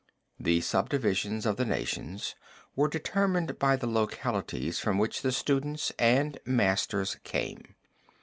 ] "The subdivisions of the nations were determined by the localities from which the students and masters came.